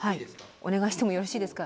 お願いしてもよろしいですか。